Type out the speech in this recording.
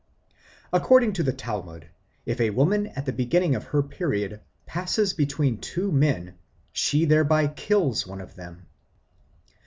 According to the Talmud, if a woman at the beginning of her period passes between two men, she thereby kills one of them.